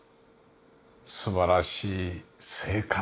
素晴らしい生活。